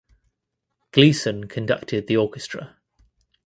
Gleason conducted the orchestra.